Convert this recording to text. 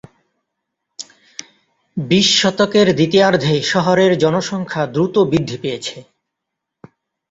বিশ শতকের দ্বিতীয়ার্ধে শহরের জনসংখ্যা দ্রুত বৃদ্ধি পেয়েছে।